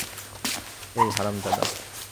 এই, হারামজাদা।